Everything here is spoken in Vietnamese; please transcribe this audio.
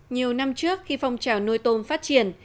nhiều năm trước khi phong trào nuôi tôm phát triển